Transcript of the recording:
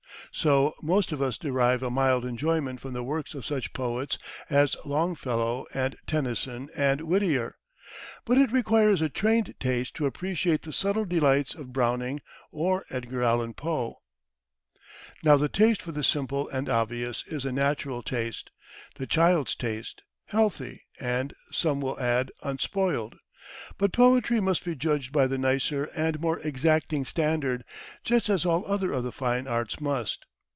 So most of us derive a mild enjoyment from the works of such poets as Longfellow and Tennyson and Whittier; but it requires a trained taste to appreciate the subtle delights of Browning or Edgar Allan Poe. Now the taste for the simple and obvious is a natural taste the child's taste, healthy, and, some will add, unspoiled; but poetry must be judged by the nicer and more exacting standard, just as all other of the fine arts must.